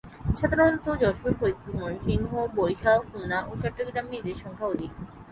সাধারণত যশোর, ফরিদপুর, ময়মনসিংহ, বরিশাল, খুলনা ও চট্টগ্রামে এদের সংখ্যা অধিক।